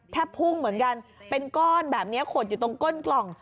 พุ่งเหมือนกันเป็นก้อนแบบนี้ขดอยู่ตรงก้นกล่อง